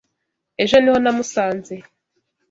Ejo niho namusanze.